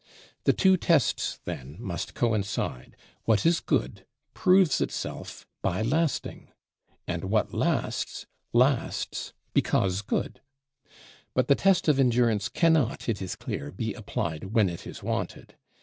The two tests then must coincide: what is good proves itself by lasting, and what lasts, lasts because good; but the test of endurance cannot, it is clear, be applied when it is wanted.